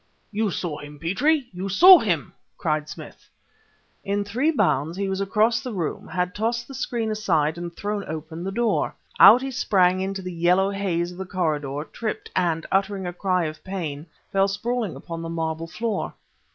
"You saw him, Petrie! you saw him!" cried Smith. In three bounds he was across the room, had tossed the screen aside and thrown open the door. Out he sprang into the yellow haze of the corridor, tripped, and, uttering a cry of pain, fell sprawling upon the marble floor.